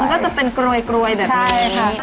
มันก็จะเป็นกลวยกลวยแบบนี้